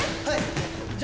はい。